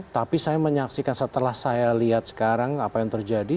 tapi saya menyaksikan setelah saya lihat sekarang apa yang terjadi